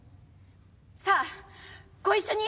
さあご一緒に！